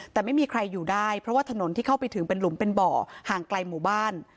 แต่ไม่มีใครอยู่ได้เพราะว่าถนนที่เข้าไปถึงเป็นหลุมเป็นบ่อห่างไกลหมู่บ้าน